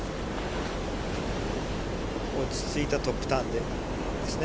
落ち着いたトップターンですね。